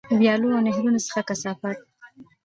ویالو او نهرونو څخه کثافات.